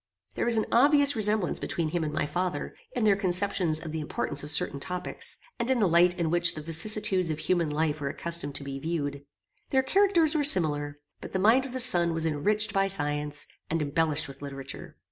There was an obvious resemblance between him and my father, in their conceptions of the importance of certain topics, and in the light in which the vicissitudes of human life were accustomed to be viewed. Their characters were similar, but the mind of the son was enriched by science, and embellished with literature.